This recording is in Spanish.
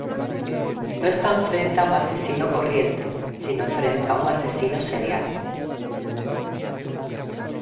No están frente a un asesino corriente sino frente a un asesino serial.